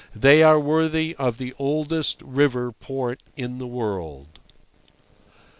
They are worthy of the oldest river port in the world.